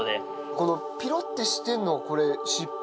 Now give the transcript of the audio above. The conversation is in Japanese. このピロってしてんのはこれ尻尾？